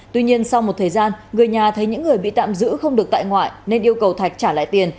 tuy nhiên sau một thời gian người nhà thấy những người bị tạm giữ không được tại ngoại nên yêu cầu thạch trả lại tiền